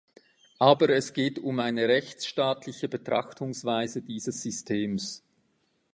Aber es geht um eine rechtsstaatliche Betrachtungsweise dieses Systems.